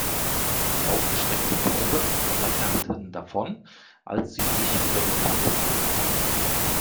Aufgeschreckte Tauben flatterten davon, als sie sich über die Kante zog.